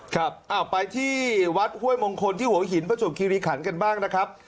ครับออกไปที่วัดเฮ้ยมงคลที่หัวหินประสบคิริขรรค์กันบ้างนะครับ